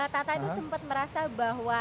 tata ini sempat merasa bahwa